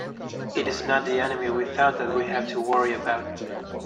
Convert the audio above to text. It is not the enemy without that we have to worry about.